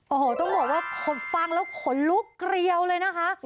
โอ้โหต้องบอกว่าฟังแล้วขนลุกเกรียวเลยนะคะ